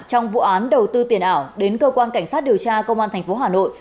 trong vụ án đầu tư tiền ảo đến cơ quan cảnh sát điều tra công an tp hà nội